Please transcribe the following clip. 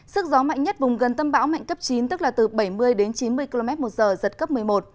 sức gió mạnh nhất vùng gần tâm bão mạnh cấp chín tức là từ bảy mươi đến chín mươi km một giờ giật cấp một mươi một